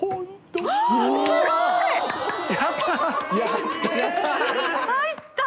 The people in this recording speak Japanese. すごい！